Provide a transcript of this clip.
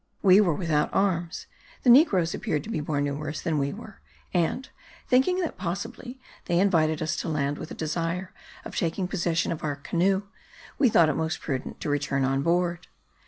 We were without arms; the negroes appeared to be more numerous than we were and, thinking that possibly they invited us to land with the desire of taking possession of our canoe, we thought it most prudent to return on board.